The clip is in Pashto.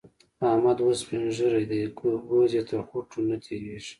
احمد اوس سپين ږير دی؛ ګوز يې تر خوټو نه تېرېږي.